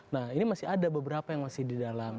nah ini masih ada beberapa yang masih di dalam